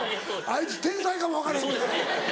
あいつ天才かも分からへんで。